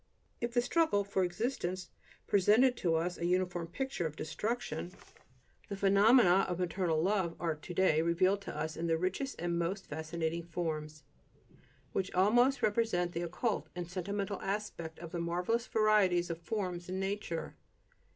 If the struggle for existence presented to us a uniform picture of destruction, the phenomena of maternal love are to day revealed to us in the richest and most fascinating forms, which almost represent the occult and sentimental aspect of the marvelous varieties of forms in nature.